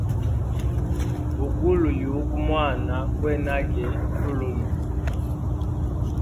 Bugula yugu mwana gwene nage lulunwe.